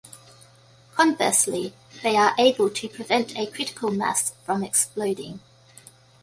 Conversely, they are able to prevent a critical mass from exploding.